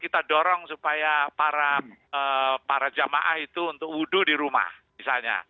kita dorong supaya para jamaah itu untuk wudhu di rumah misalnya